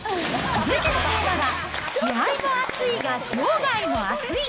続いてのテーマは、試合もアツいが場外もアツい。